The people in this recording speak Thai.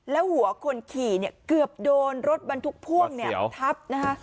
แล้วหัวคนขี่เกือบโดนรถมันถูกพ่วงทับ